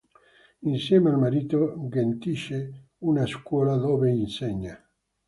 Insieme al marito, gestisce una scuola dove insegna.